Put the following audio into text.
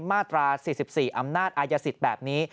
มาตรา๔๔อำนาจอายสิทธิ์แบบนี้